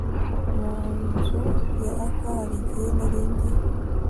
Mu nzu ya Arthur hari igihe nari ndi